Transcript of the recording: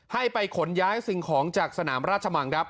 ให้ไปขนย้ายสิ่งของจากสนามราชมังครับ